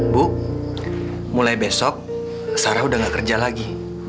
bu mulai besok sarah udah gak kerja lagi